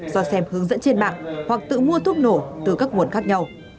do xem hướng dẫn trên mạng hoặc tự mua thuốc nổ từ các nguồn khác nhau